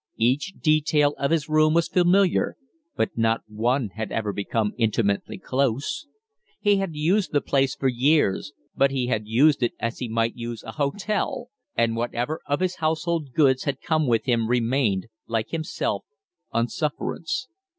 Each detail of his room was familiar, but not one had ever become intimately close. He had used the place for years, but he had used it as he might use a hotel; and whatever of his household gods had come with him remained, like himself, on sufferance.